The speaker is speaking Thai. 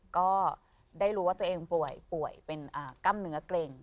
ก็ได้รู้ว่าตัวเองป่วยเป็นกล้ามเนื้อเกร็ง